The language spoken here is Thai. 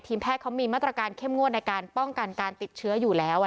แพทย์เขามีมาตรการเข้มงวดในการป้องกันการติดเชื้ออยู่แล้ว